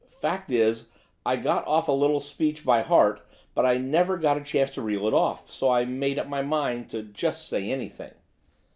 Fact is, I got off a little speech by heart, but I never got a chance to reel it off, so I made up my mind to just say anything.